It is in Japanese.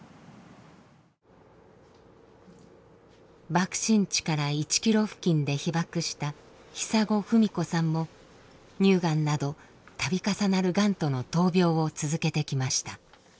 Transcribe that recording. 爆心地から１ｋｍ付近で被爆した瓢文子さんも乳がんなど度重なるがんとの闘病を続けてきました。